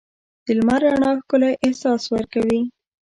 د لمر رڼا ښکلی احساس ورکوي.